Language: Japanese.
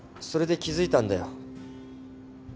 それで気付いたんだよ。